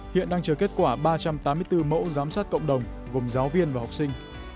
hiện đang chờ kết quả ba trăm tám mươi bốn mẫu giám sát cộng đồng gồm giáo viên và học sinh